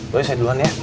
boleh saya duluan ya